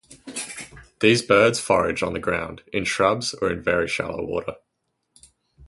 These birds forage on the ground, in shrubs or in very shallow water.